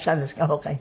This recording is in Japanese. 他に。